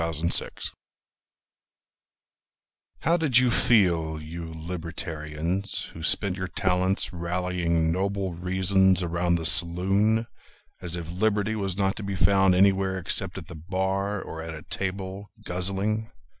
Jacob Godbey How did you feel, you libertarians, Who spent your talents rallying noble reasons Around the saloon, as if Liberty Was not to be found anywhere except at the bar Or at a table, guzzling?